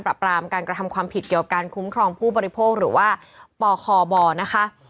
ปรามการกระทำความผิดเกี่ยวการคุ้มครองผู้บริโภคหรือว่าปคบนะคะ